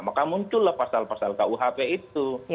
maka muncul lah pasal pasal kuhp itu